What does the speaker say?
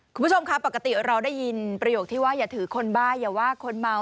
คุณผู้ชมครับปกติเราได้ยินประโยคที่ว่าอย่าถือคนบ้าอย่าว่าคนเมา